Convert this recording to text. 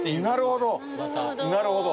なるほど。